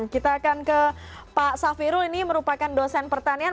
kita akan ke pak safirul ini merupakan dosen pertanian